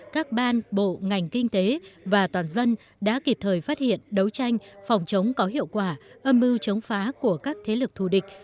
các ban bộ ngành kinh tế và toàn dân đã kịp thời phát hiện đấu tranh phòng chống có hiệu quả âm mưu chống phá của các thế lực thù địch